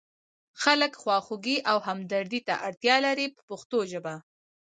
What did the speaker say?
خلک خواخوږۍ او همدردۍ ته اړتیا لري په پښتو ژبه.